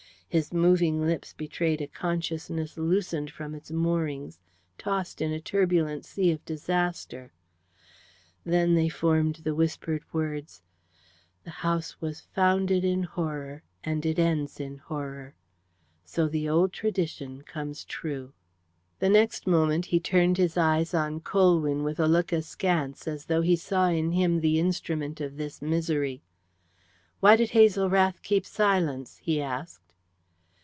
His moving lips betrayed a consciousness loosened from its moorings, tossed in a turbulent sea of disaster. Then they formed the whispered words: "The house was founded in horror and it ends in horror. So the old tradition comes true." The next moment he turned his eyes on Colwyn with a look askance, as though he saw in him the instrument of this misery. "Why did Hazel Rath keep silence?" he asked.